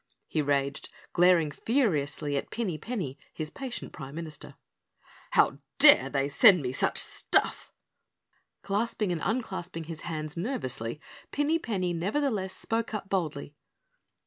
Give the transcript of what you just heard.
he raged, glaring furiously at Pinny Penny, his patient Prime Minister. "How dare they send me such stuff?" Clasping and unclasping his hands nervously, Pinny Penny nevertheless spoke up boldly.